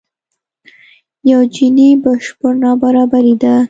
یو جیني بشپړ نابرابري ده.